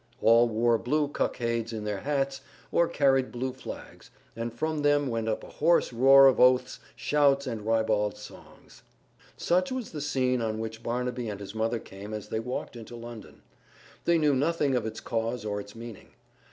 All wore blue cockades in their hats or carried blue flags, and from them went up a hoarse roar of oaths, shouts and ribald songs. Such was the scene on which Barnaby and his mother came as they walked into London. They knew nothing of its cause or its meaning.